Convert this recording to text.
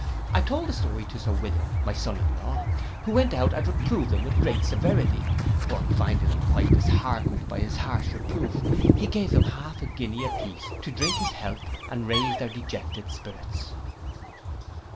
I told the story to Sir William, my son in law, who went out and reprove them with great severity; but finding them quite disheartened by his harsh reproof, he gave them half a guinea a piece to drink his health and raise their dejected spirits.